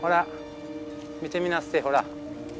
見てみなっせほら。